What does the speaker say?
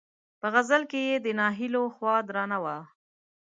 په غزل کې یې د ناهیلیو خوا درنه وه.